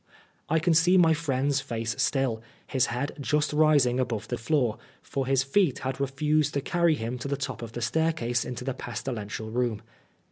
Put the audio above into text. I can see my friend's face still, his head just rising above the floor, for his feet had refused to carry him to the top of the stair case into the pestilential room.